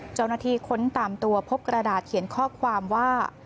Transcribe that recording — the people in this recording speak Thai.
เจ้าหน้าที่ค้นตามตัวพบกระดาษเขียนข้อความว่า